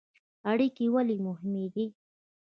اړیکې ولې مهمې دي؟